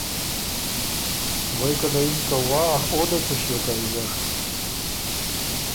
غوېکه له یِن که ” وا او ده څۀ ݭیوک هۀ ویزر“